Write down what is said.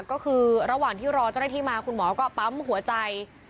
ก็คือระหว่างที่รอเจ้าหน้าที่มาคุณหมอก็ปั๊มหัวใจ